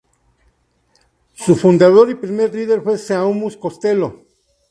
Su fundador y primer líder fue Seamus Costello.